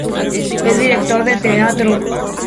Es director de teatro.